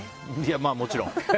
まあもちろん。